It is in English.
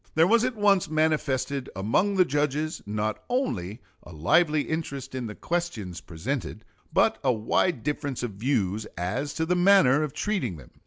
There was at once manifested among the judges not only a lively interest in the questions presented, but a wide difference of views as to the manner of treating them.